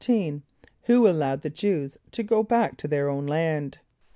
= Who allowed the Jew[s+] to go back to their own land?